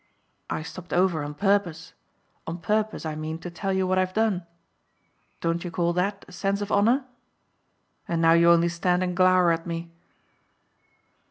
I stopped over on purpose on purpose, I mean, to tell you what I've done. Don't you call that a sense of honour? And now you only stand and glower at me."